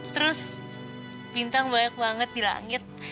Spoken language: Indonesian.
terus bintang banyak banget di langit